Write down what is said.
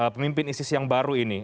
pemimpin isis yang baru ini